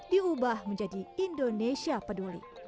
diubah menjadi indonesia peduli